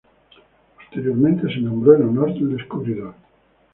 Posteriormente se nombró en honor del descubridor.